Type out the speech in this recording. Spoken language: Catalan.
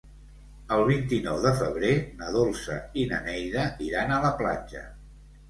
El vint-i-nou de febrer na Dolça i na Neida iran a la platja.